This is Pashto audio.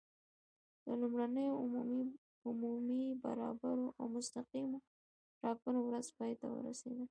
د لومړنیو عمومي، برابرو او مستقیمو ټاکنو ورځ پای ته ورسېده.